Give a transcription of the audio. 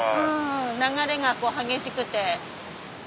流れが激しくて。